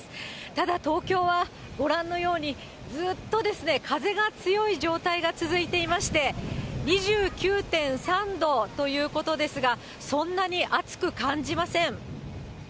ただ、東京はご覧のように、ずっと風が強い状態が続いていまして、２９．３度ということですが、そんなに暑く感じません。